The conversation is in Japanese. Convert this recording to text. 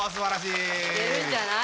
いけるんじゃない？